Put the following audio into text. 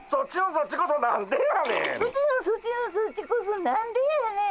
そっちのそっちのそっちこそ何でやねん。